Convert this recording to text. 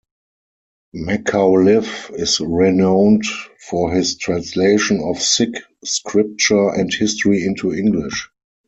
Macauliffe is renowned for his translation of Sikh scripture and history into English.